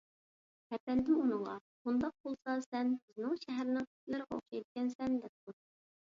ئەپەندىم ئۇنىڭغا: _ ئۇنداق بولسا ، سەن بىزنىڭ شەھەرنىڭ ئىتلىرىغا ئوخشايدىكەنسەن، _ دەپتۇ.